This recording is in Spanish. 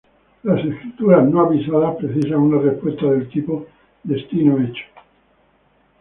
Las escrituras no-avisadas precisan una respuesta del tipo "destino hecho".